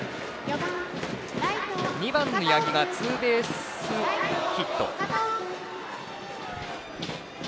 ２番の八木がツーベースヒット。